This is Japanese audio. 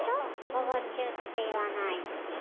「午後中」って言わないっていう。